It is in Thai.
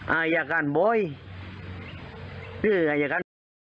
อ่าอยากการบอยคืออยากการ